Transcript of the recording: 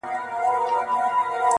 له یوسف څخه به غواړم د خوبونو تعبیرونه،